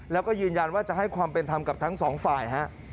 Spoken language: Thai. แล้วก็ยืนยันว่าจะให้ความเป็นธรรมกับทั้งสองฝ่ายฮะ